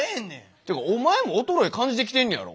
ってかお前も衰え感じてきてんねやろ？